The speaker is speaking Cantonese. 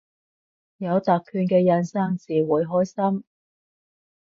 有特權嘅人生至會開心